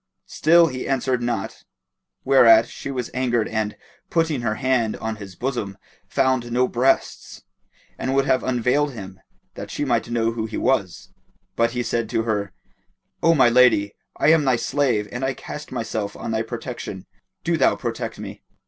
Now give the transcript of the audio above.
Still he answered not, whereat she was angered and, putting her hand to his bosom, found no breasts and would have unveiled him, that she might know who he was; but he said to her, "O my lady, I am thy slave and I cast myself on thy protection: do thou protect me."